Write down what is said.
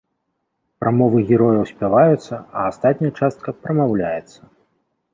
Прамовы герояў спяваюцца, а астатняя частка прамаўляецца.